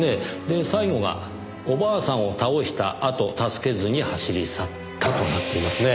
で最後が「お婆さんを倒したあと助けずに走り去った」となっていますね。